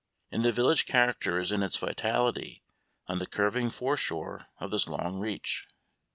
And the village character is in its vitality on the curving foreshore of this long Reach.